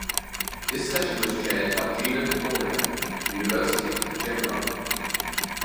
This session was chaired by Gino Loria (University of Genoa).